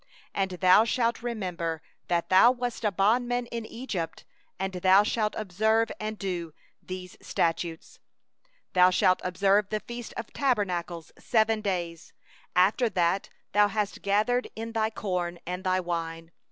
12And thou shalt remember that thou wast a bondman in Egypt; and thou shalt observe and do these statutes. 13Thou shalt keep the feast of tabernacles seven days, after that thou hast gathered in from thy threshing floor and from thy winepress.